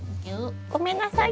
ごめんなさい。